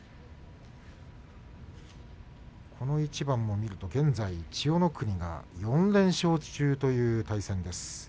この一番を見ると千代の国が４連勝という状況です。